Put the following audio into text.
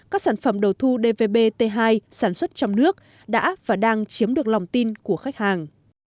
các sản phẩm đầu thu dvbt hai sản xuất trong nước đã và đang chiếm được lòng tin của khách hàng